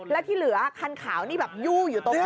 แล้วที่เหลือคันขาวนี่แบบยู่อยู่ตรงนั้น